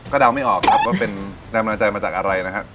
ก็ดาวน์ไม่ออกครับว่าเป็นเดิมละใจมาจากอะไรนะครับ